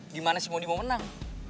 gimana sih mau dimenang